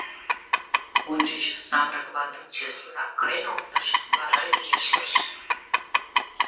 Ончыч самырык ватым чеслынак кырен оптыш, вара виешлыш...